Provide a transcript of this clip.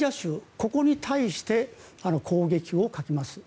ここに対して攻撃をかけます。